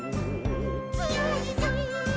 「つよいぞ」